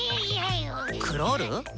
クロール？